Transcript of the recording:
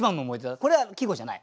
これは季語じゃない？